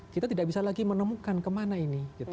kita tidak bisa lagi menemukan kemana ini